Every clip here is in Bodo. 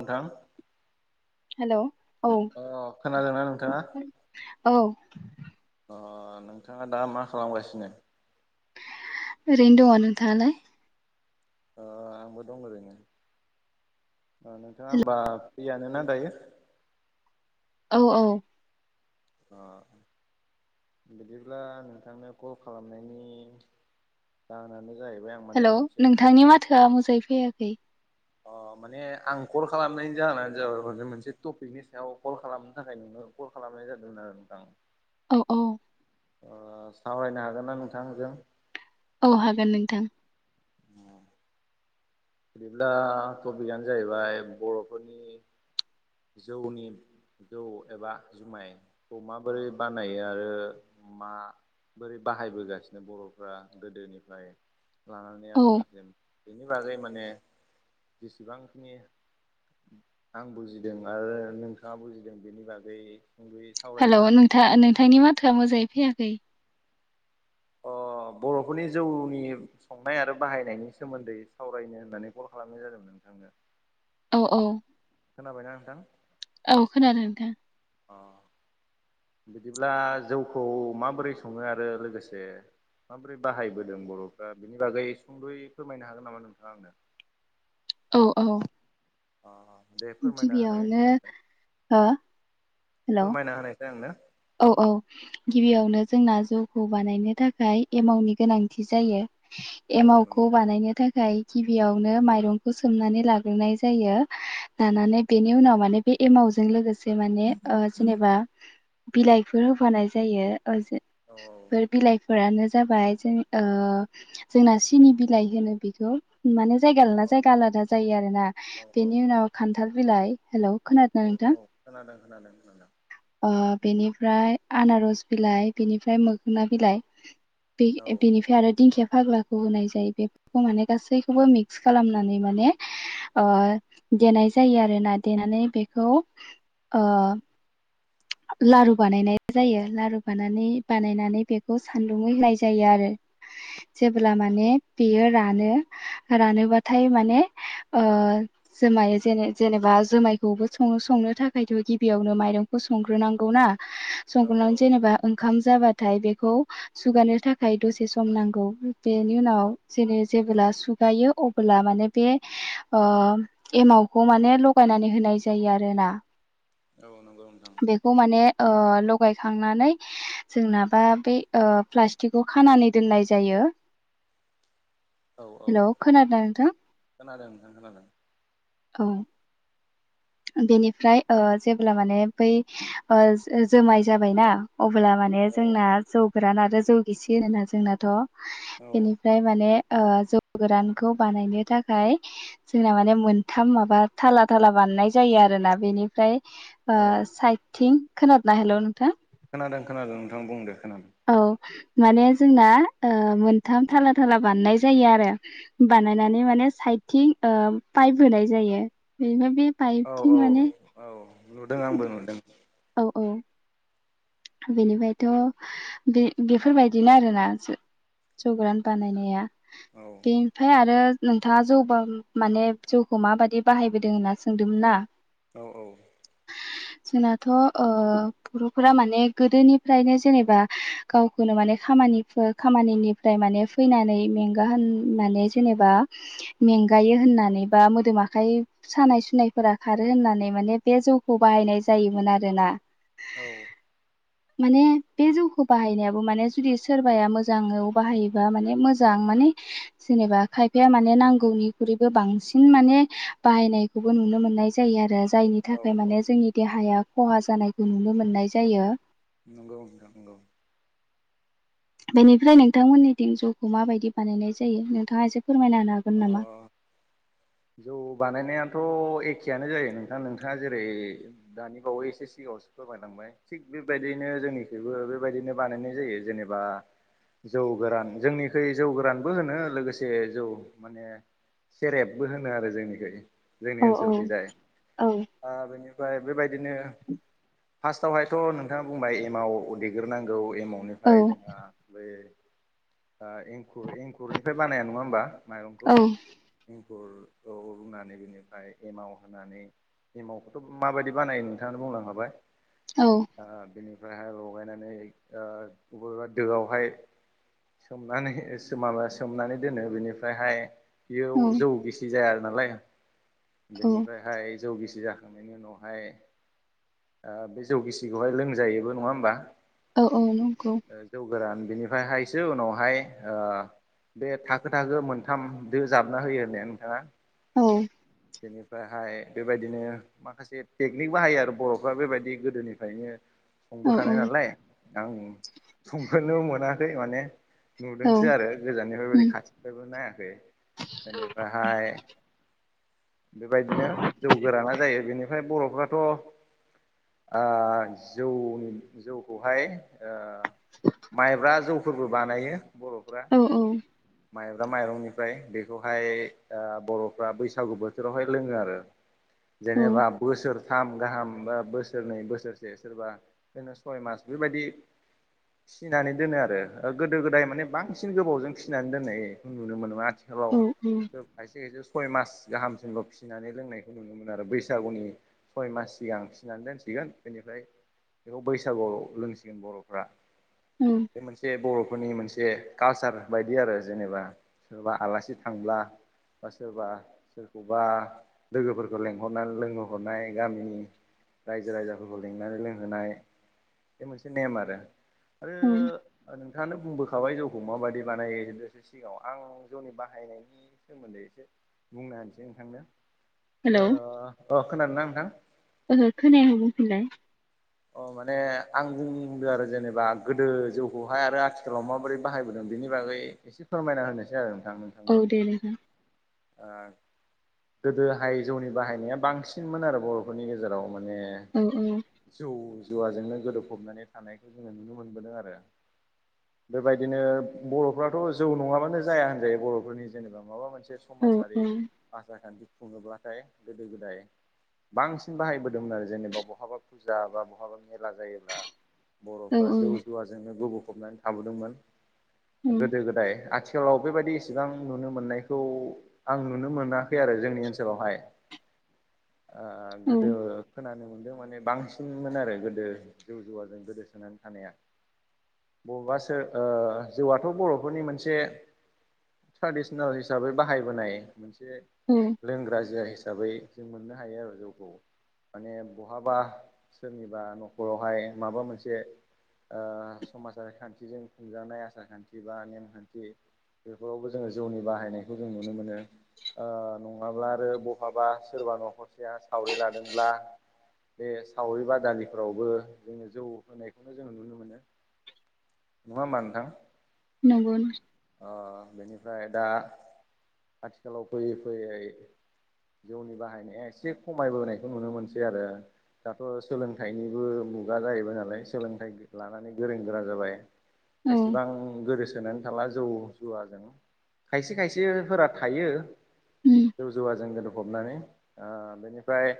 नोंथां। हेल' अ खोनादोंना नोंथाङा? औ अ नोंथाङा दा मा खालामगासिनो? ओरैनो दङ। नोंथाङालाय? अ आंबो दं ओरैनो। अ नोंथाङा होमबा फ्रियानोना दायो? औ औ अ बिदिब्ला नोंथांनो कल खालामनायनि जाहोनानो जाहैबाय आं माने हेलौ मोनसे नोंथांनि टपिक माथोआ मोजाङै फैयाखै अ माने आं कल खालामनायनि जाहोनानो जाबाय मोनसे टपिकनि सायाव कल खालामनो थाखाय नोङो कल खालामनाय जादोंमोन आरो नोंथां औ औ ओ सावरायनो हागोन ना नोंथांजों औ हागोन नोंथां बिदिब्ला टपिकआनो जाहैबाय बर'फोरनि जौनि जौ एबा जुमायखौ माबोरै बानायो आरो मा बोरै बाहायबोगासिनो बर'फ्रा गोदोनिफ्राय लानानै औ आथि आाखलि बेनि बागै माने जेसेबांखिनि आं बुजिदों आरो नोंथाङा बुजिदों बेनि बागैबो सुंद'यै हेल' सावरायना नोंथा नोंथांनि माथोआ मोजाङै फैयाखै अ बर'फोरनि जौनि संनाय आरो बाहायनायनि सोमोन्दै सावरायनो होननानै कल खालामनाय जादोंमोन नोंथांनो। औ औ खोनाबायना नोंथां औ खोनादों नोंथां अ बिदिब्ला जौखौ माबोरै सङो आरो लोगोसे माबोरै बाहायबोदों बर'फ्रा बेनि बागै सुंद'यै फोरमायनो हागोन नामा नोंथाङा आंनो औ औ अ दे फोरमायना होनाय गिबियावनो आंनो हो हेलौ फोरमायना होनायसै आंनो औ औ गिबियावनो जोंना जौखौ बानायनो थाखाय एमावनि गोनांथि जायो। औ एमाव नों खौ बानायनो थाखाय खाय गिबियावनो माइरंखौ सोमनानै लाग्रोनाय जायो लानानै बेनि उनाव माने बे एमावजों लोगोसे माने ओ जेनेबा बिलाइफोर होफानाय जायो ओ जे औ बेफोर बिलाइ फोरानो जाबाय जों ओ जोंना सिनि बिलाइ होनो बेखौ। माने जायगा लाना औ जायगा आलादा जायो आरो ना औ औ बेनि उनाव खान्थाल बिलाइ हेलौ खोनादों औ औ खोनादों खोनादों खोनादों ओ बेनिफ्राय आनारस बिलाइ बेनिफ्राय मोखोना बिलाइ बे औ बेनिफ्राय आरो दिंखिया फाग्ला खौ होनाय जायो बेफोरखौ माने गासैखौबो मिक्स खालामनानै माने ओ देनाय जायो आरोना देनानै बेखौ ओ लारु बानायनाय जायो लारु बानानै बानायनानै बेखौ सानदुङै होनाय जायो आरो। जेब्ला माने बेयो रानो रानोबाथाय माने ओ जोमाय‌ जेने जेनेबा जुमायखौबो स संनो थाखायथ' गिबियावनो माइरंखौ संग्रोनांगौ खौ ना औ संख्राव औ जेनेबा ओंखाम जाबाथाय बेखौ सुगानो थाखाय दसे सम नांगौ बेनि उनाव जेरै जेबोब्ला सुगायो अबोब्ला माने बे ओ एमावखौ माने लगायनानै होनाय जायो आरोना। औ नंगौ नोंथां खौ माने ओ लगायखांनानै जोंनाबा बे ओ प्लास्टिकखौ खानानै दोननाय जायो। औ औ हेलौ खोनादों ना नोथां? खोनादों नोंथां खोनादों औ। बेनिफ्राय ओ जेब्ला माने बै ओ जो-जोमाय जाबायना अब्ला माने औ जोंना जौ गोरान आरो जौ गिसि होनोना जोंनाथ‌' औ बेनिफ्राय माने ओ जौ गोरानखौ बानायनो थाखाय जोंना माने मोनथाम माबा थाला थाला बानायनाय जायो आरोना बेनिफ्राय ओ औ साइदथिं, खोनादोंना हेल' नोंथां? खोनादों खोनादों नोंथां बुंदो खोनादों। औ माने जोंना ओ मोनथाम थाला थाला बानायनाय जायो आरो। बानायनानै माने साइदथिं ओ पाइप होनाय जायो। बेफ्राय बे औ औ पाइपथिं माने औ नुदों आंबो नुदों। औ औ। बेनिफ्रायथ बे बेफोरबायदिनो आरोना। जौ गोरान बानायनाया। औ बेनिफ्राय आरो नोंथाङा जौबा माने जौखौ माबायदि बाहायबोदों होनना सोंदोंमोन ना। औ औ। जोंनाथ' ओ बर'फोरा माने गोदोनिफ्रायनो जेनेबा गावखौनो माने खामानिफो खामानिनिफ्राय माने फैनानै मेंगा होननानै जेनेबा मेंगायो होननानै बा मोदोम आखाइ सानाय सुनायफोरा खारो होननानै माने बे जौखौ बाहायनाय जायोमोन आरोना। औ। माने बे जौखौ बाहायनायाबो माने जुदि सोरबाया मोजाङाव बाहायोबा माने मोजां माने जेनेबा खायफाया माने नांगौनिख्रुइबो बांसिन माने बाहायनाय खौबो नुनो मोननाय जायो आरो। जायनि औ थाखाय औ माने जोंनि देहाया खहा जानायखौ नुनो मोननाय जायो। नंगौ नंगौ। बेनिफ्राय नोंथांमोननिथिं जौखौ माबायदि बानायनाय जायो नोंथाङा एसे फोरमायना होनो हागोन नामा? अ जौ बानायनायाथ' एखेयानो जायो नोंथां नोंथाङा जेरै दानि बावै एसे सिगाङावसो फोरमायलांबाय। थिग बेबायदिनो जोंनिखैबो बेबायदिनो बानायनाय जायो। जेनेबा जौ गोरान। जोंनिखै जौ गोरानबो होनो लोगोसे जौ माने सेरेब। बो होनो आरो जोंनिखै जोंनि औ औ ओनसोलखैजाय। औ आं बेनिफ्राय बेबायदिनो फार्स्टआवहायथ' नोंथाङा बुंबाय एमाव दैगोरनांगौ एम औ एमावनिफ्राय जोंहा बै ओ एंखुर एंखुरनिफ्राय बानाया नङा होमबा माइरं औ। एंखुरखौ रुनानै बिनिफ्राय एमाव होनानै एमावखौथ' माबायदि बानायो नोंथाङानो बुंलांखाबाय। औ। ओ बेनिफ्रायहाय लगायनानै ओ अबेबा दोआवहाय सोनानै माबा सोमनानै दोनो बेनिफ्रायहाय बेयाव औ जौ गिसि जाया नालाय औ बेनिफ्राय हाय जौ गिसि जाखांनायनि उनावहाय ओ बे जौ गिसिखौहाय लोंजायोबो नङा होमबा? औ औ नंगौ। जौ गोरान बिनिफ्रायहायसो उनावहाय ओ बे थाखो थाखो मोनथाम दो जाबना होयो होननाया नोंथाङा। औ। बेनिफ्रायहाय बेबायदिनो। माखासे टेकनिक बाहायो आरो बर'फ्रा बेबायदि गोदोनिफ्रायनो। औ औ संबोखानाय नालाय आं संफेरनो मोनाखै माने। औ नुदोंसो आरो गोजाननिफ्राय बेबायदि उम खाथिनिफ्रायबो नायाखै बेनिफ्रायहाय। बेबायदिनो जौ गोराना जायो बेनिफ्राय बर'फ्राथ'। ओ जौनि जौखौहाय ओ माइब्रा जौफोरबो बानायो बर'फोरा। औ औ माइब्रा माइरंनिफ्राय बेखौहाय ओ बर'फ्रा बैसागु बो। बिफोरावहाय लोंङो आरो जेनेबा। बोसोरथाम गाहाम बा बोसोरनै बोसोरसे सोरबा। बिनो सय मास बेबायदि। फिनानै दोनो आरो। गोदो गोदाय माने बांसिन गोबावजों फिनानै दोननाय नुनो मोनोमोन। आथ खालाव औ खायसे खायसे सय मास गाहाम। जेनेबा फिसिनानै लोंनायखौ नुनो मोनो आरो बैसागुनि। सय मास सिगां फिसिनानै दोनसिगोन बेनिफ्राय। बेखौ बैसागुआव लोंसिगोन बरफ्रा। उम बे मोनसे बर'फोरनि मोनसे कालसार बायदि आरो जेनेबा सोरबा आलासि थांब्ला। बा सोरबा। बबेबा लोगोफोरखौ लेंहरनानै लोंहोहरनाय गामिनि। रायजो राजाफोरखौ लिंनानै लोंहोनाय बे मोनसे नेम आरो। आरो। औ नोंथांङानो बुंबोखाबाय जौखौ माबायदि बानायो एसे सिगाङाव आं जौनि बाहायनायनि। सोमोन्दै एसे बुंना होनोसै नोंथांनो। हेलौ अ खोनादों ना नोंथां? ओहो खोनायाखै बुंफिनलाय। अ माने आं बुंदों आरो जेनेबा गोदो जौखौहाय आरो आथिखालाव माबोरै बाहायबोदों बेनि बागै एसे फोरमायना होनोसै आरो नोंथांनो। दे दे नोथां गोदोहाय जौनि बाहायनाया बांसिनमोन आरो बर'फोरनि गेजेराव माने। औ औ। जौ जुवाजोंनो गोदोबफबनानै थानायखौ जोंङो नुनो मोनबोदों आरो। बेबायदिनो बर'फ्राथ' जौ नङाबानो जाया होनजायो बर'फोरनि जेनेबा माबा मोनसे। औ समाजारि। आसार खान्थि खुङोब्लाथाय गोदो गोदाय बांसिन बाहायबोदोंमोन आरो जेनेबा बहाबा। फुजा बा बहाबा मेला जायोब्ला बर'फ्रा जौ जुवा। नो गफबनानै थाबोदोंमोन औ गोदो गोदाय आथिखालावथ। आथिखालाव बेबायदि इसेबां नुनो मोननायखौ आं नुनो मोनाखै आरो जोंनि ओनसोलावहाय। आं औ गोदो खोनानो मोनदों माने बांसिनमोन आरो गोदो जौ जुवाजों गोदोसोनानै थानाया। बबेबा सो जौआथ बरफोरनि मोनसे ट्रेडिसनेल हिसाबै बाहायबोनाय मोनसे उम लोंग्रा जुआ हिसाबै जों मोननो हायो आरो जौखौ माने बहाबा सोरनिबा नखरावहाय माबा मोनसे समाजारि खान्थिजों खुंजानाय आसार खान्थि बा नेम खान्थि बेफोरावबो जोंङो जौनि बाहायनायखौ जों नुनो मोनो नङाब्ला आरो बहाबा सोरबा नखरसेया सावरि लादोंब्ला बे सावरि बादालिफोरावबो जोंङो जौ होनायखौनो जों नुनो मोनो नंङा होमबा नोंथां। नोंगौ नो अ बेनिफ्राय दा आथिखालाव फैयै फैयै जौनि बाहायनाया एसे खमायबोनायखौ नुनो मोनसै आरो। दाथ सोलोंथाइनिबो मुगा जाहैबाय नालाय सोलोंथाइ लानानै गोरों गोरा जाबाय। औ एसेबां गोरोस सोनानै थाला जौ जुवाजों खायसे खायसेफोरा थायो उम जौ जौवाजों गोदोफबनानै ओ बेनिफ्राय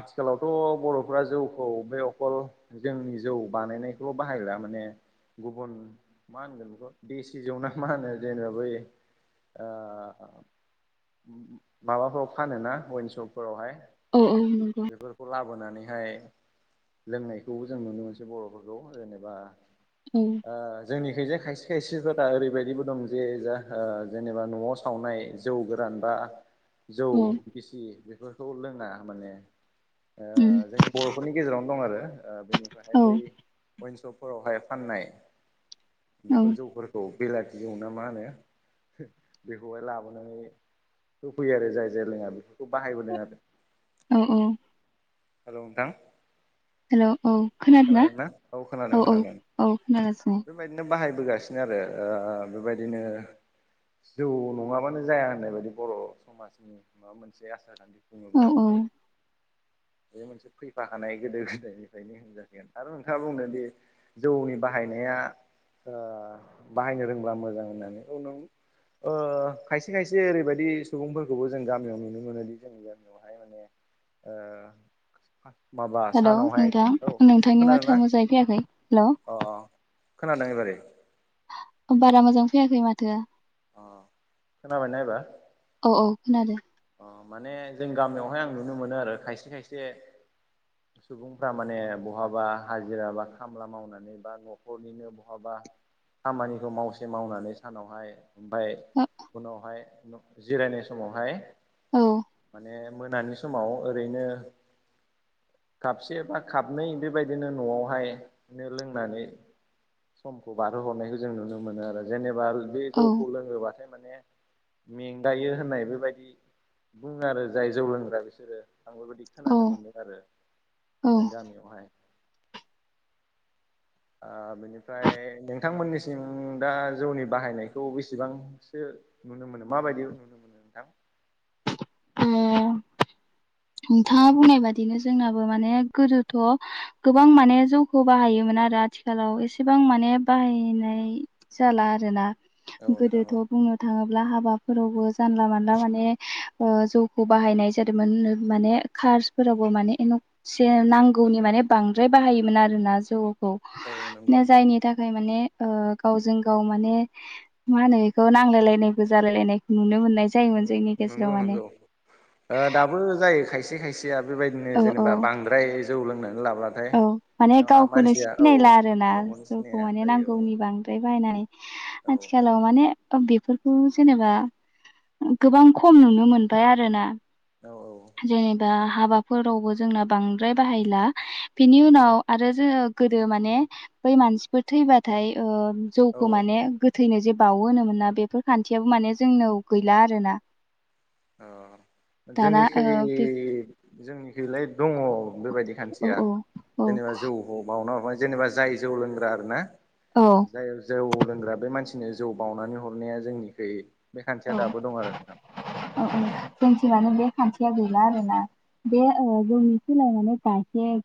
आथिखालावथ'बर' फुरा जौखौ बे अखल जोंनि जौ बानायनायखौल बाहायला माने गुबुन मा होनगोन बेखौ देसि जौना मा होनो जेनेबा बै ओ माबाफोराव फानोना वइनसप फोरावहाय औ औ नंगौ। बेफोरखौ लाबोनानै बेहाय लोंनायखौबो जों नुनो मोनसै बरफोरखौ जेनेबा औ ओ जोंनि खैजा खायसे खायसेफोरा ओरैबायदिबो दं जे जा जेनेबा नआव सावनाय जौ गोरानबा जौ उम गिसि बेफोरखौ लोंना माने ओ जोंनि बर'फोरनि गेजेरावनो दं आरो ओ बेनिफ्रायहाय औ बै अइन्सप फोरावहाय फाननाय बेफोर औ जौफोर खौ बेलाथि जौ ना मा होनो बेखौहाय लाबोनानै होफैयो आरो जाय जाय लोंङा बेफोरखौ बाहायबोदों आरो। औ औ। हेल नोंथां। हेल औ खोनादों ना औ औ औ खोनागासिनो। बेबायदिनो बाहाय बोगासिनो आरो ओ बेबायदिनो जौ नंङाबानो जाया होननाय बायदि बर समाजनि माबा मोनसे आसार खान्थि औ बुङोब्ला औ बे मोनसे फैफाखानाय गोदो गोदायनिफ्रायनो होनजा आरो नोंथांङा बुंनोदि जौनि बाहायनाया ओ बाहायनो रोंब्ला मोजां होननानै औ नों ओ खायसे खायसे ओरैबायदि सुबुंफोरखौबो जों गामियाव नुनो मोनोदि जोंनि गामियावहाय माने ओ माबा हेलौ सानावहाय नोंथां औ नोंथांनि माथोआ खोनादोंना मोजांयै फैयाखै हेल अ अखोनादों एबारै? बारा मोजां फैयाखै माथो। अ खोनाबाय ना एबार? औ औ खोनादों। अ माने जों गामियावहाय आं नुनो मोनो आरो खायसे खायसे सुबुंफ्रा माने बहाबा हाजिरा बा खामला मावनानै जेनेबा न'खरनिनो बहाबा खामानिखौ मावसे मावनानै सानावहाय ओमफ्राय औ उनावहाय जिरायनाय समावहाय औ। माने मोनानि समाव ओरैनो खाबसे बा खाबनै बेबायदिनो न'आवहायनो लोंनानै समखौ बारहोहरनायखौ जों नुनो मोनो आरो जेनेबा बे औ जौखौ लोङोब्लाथाय माने मेंगायो होननाय बेबायदि बुङो आरो जाय जौ लोंग्रा बिसोरो आं बेबायदि औ खोनानो मोनदों आरो औ जों गामियावहाय। ओ बेनिफ्राय नोंथांमोननिसिम दा जौनि बाहायनायखौ बेसेबांसो नुनो मोनो माबायदि मोनो नोंथां? आम नोंथाङा बुंनाय बादिनो जोंनाबो माने गोदोथ गोबां माने जौखौ बाहायोमोन आरो आथिखालाव एसेबां माने बाहायनाय जाला आरोना औ नोंथां गोदोथ औ बुंनो थाङोब्ला हाबाफोरावबो जानला मानला माने ओ जौखौ बाहायनाय जादोंमोन। माने कार्सफोरावबो माने [unintelligible] नांगौनि माने बांद्राय बाहायोमोन आरोना जौखौ औ नंगौ नोंथां जायनि थाखाय माने ओ गावजों गाव माने मा होनो बेखौ नांलायलायनायबो जालायलायनायखौ नुनो मोननाय जायोमोन जोंनि गेजेराव नंगौ माने नंगौ दाबो जायो खायसे खायसेया बेबायदिनो औ औ जेनेबा बांद्राय जौ लोंनानै लाबा औ माने गावखौनो सिनायला आरोना गावखौनो जौखौ सिनाया माने जायो नांगौनि बांद्राय बाहायनानै औ आथिखालाव माने उन्दैफोरखौ जेनेबा गोबां खम नुनो मोनबाय आरो ना। औ जेनेबा हाबाफोरावबो जोंना बांद्राय बाहायला बिनि उनाव आरो जोङो गोदो माने बै मानसिफोर थैबाथाय ओ औ जौखौ माने गोथैनो जे बावो होनोमोना बेफोर खान्थियाबो माने जोंनाव गैला आरोना अ दाना जोंनिखै ओ बे जोंनिखैलाय दङ बेबायदि औ औ खान्थिया औ जौखौ बावना हारबाय जेनेबा जाय जौ लोंग्रा आरो ना औ जाय जौ लोंग्रा बे मानसिनो जौ बावनानै हरनाया जोंनिखैयै बे खान्थिया औ दाबो दं आरो नोंथां। औ औ जोंनिथि आरो बे खान्थिया गैला आरोना। बे ओ जोंनि खोलाखैजाय सासे